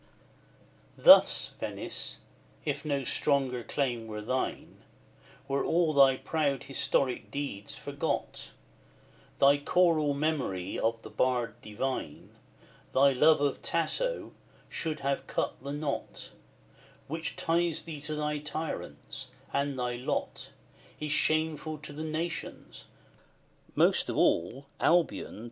XVII. Thus, Venice, if no stronger claim were thine, Were all thy proud historic deeds forgot, Thy choral memory of the bard divine, Thy love of Tasso, should have cut the knot Which ties thee to thy tyrants; and thy lot Is shameful to the nations, most of all, Albion!